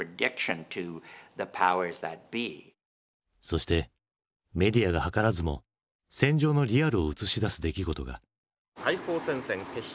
そしてメディアが図らずも戦場のリアルを映し出す出来事が。